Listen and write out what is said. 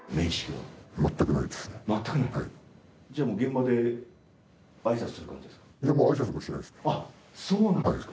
じゃあもう現場であいさつする感じですか？